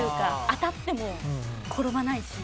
当たっても転ばないし。